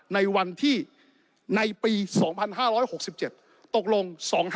ในวันที่ในปี๒๕๖๗ตกลง๒๕๖